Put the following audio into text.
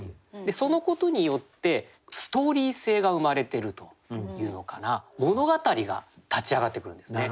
そのことによってストーリー性が生まれてるというのかな物語が立ち上がってくるんですね。